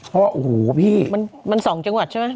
เพราะว่าโอ้โหพี่มัน๒จังหวัดใช่ไหม